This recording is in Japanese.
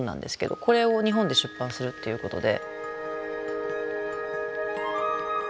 これを日本で出版するっていうことで。